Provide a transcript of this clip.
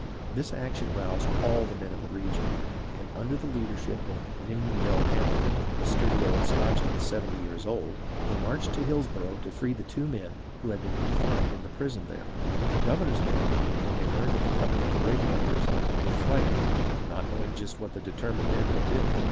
This action roused all the men of the region, and under the leadership of Ninian Bell Hamilton, a sturdy old Scotchman seventy years old, they marched to Hillsborough to free the two men who had been confined in the prison there. The governor's men, when they learned of the coming of the Regulators, were frightened, not knowing just what the determined men would do.